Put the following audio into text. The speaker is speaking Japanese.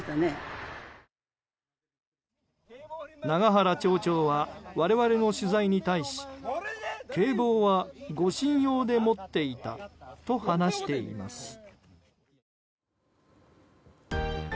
永原町長は我々の取材に対し警棒は護身用で持っていたと話しています。